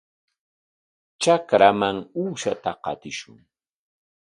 Trakraman uushata qatishun.